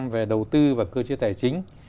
về đầu tư và cơ chế tài chính